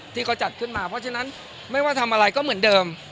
ที่เขาจัดขึ้นมาเพราะฉะนั้นไม่ว่าทำอะไรก็เหมือนเดิม